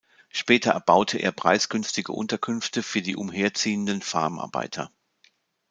Später erbaute er preisgünstige Unterkünfte für die umherziehenden Farmarbeiter.